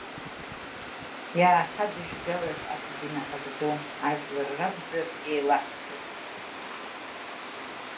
Иааҳадыжәгалаз акгьы наҳагӡом, ажәлар ракәзар еилаҳцоит.